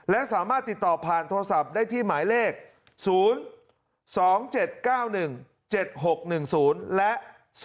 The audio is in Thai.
และสามารถติดต่อผ่านโทรศัพท์ได้ที่หมายเลข๐๒๗๙๑๗๖๑๐และ๒๕๖